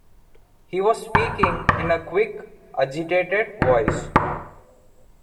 He was speaking in a quick, agitated voice.